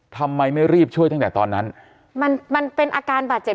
ทำไมไม่รีบช่วยตั้งแต่ตอนนั้นมันมันเป็นอาการบาดเจ็บ